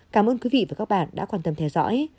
cảm ơn quý vị và các bạn đã quan tâm theo dõi